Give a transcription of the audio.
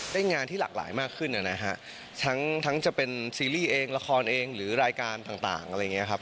งานที่หลากหลายมากขึ้นนะฮะทั้งจะเป็นซีรีส์เองละครเองหรือรายการต่างอะไรอย่างนี้ครับ